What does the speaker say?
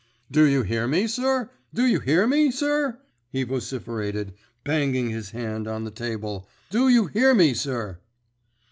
"Do you hear me, sir? Do you hear me, sir?" he vociferated, banging his hand on the table. "Do you hear me, sir?"